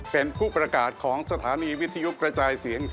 เป็นผู้ประกาศของสถานีวิทยุกระจายเสียง